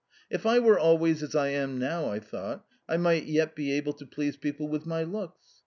"If I were always as I am now," I thought, "I might yet be able to please people with my looks."